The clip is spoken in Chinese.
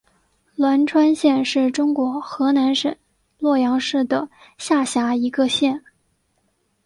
栾川县是中国河南省洛阳市的下辖一个县。